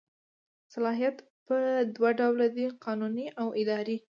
صلاحیت په دوه ډوله دی قانوني او اداري.